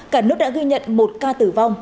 cả nước đã ghi nhận một ca tử vong